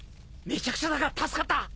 めちゃくちゃだが助かった！